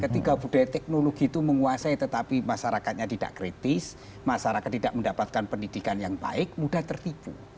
ketika budaya teknologi itu menguasai tetapi masyarakatnya tidak kritis masyarakat tidak mendapatkan pendidikan yang baik mudah tertipu